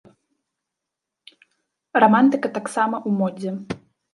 Рамантыка таксама ў модзе!